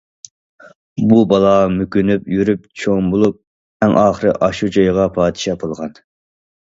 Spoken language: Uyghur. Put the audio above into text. بۇ بالا مۆكۈنۈپ يۈرۈپ چوڭ بولۇپ، ئەڭ ئاخىرى ئاشۇ جايغا پادىشاھ بولغان.